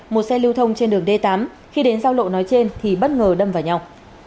một xe lưu thông trên đường d tám khi đến giao lộ nói trên thì bất ngờ đâm vào nhau